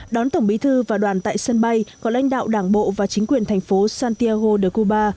đón tổng bí thư và đoàn tại sân bay có lãnh đạo đảng bộ và chính quyền thành phố santiago de cuba